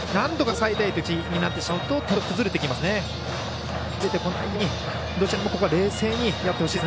なんとか抑えたいという気持ちになってしまうと手元が崩れてきますので。